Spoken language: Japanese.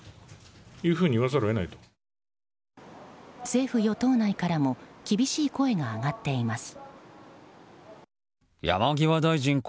政府・与党内からも厳しい声が上がっています。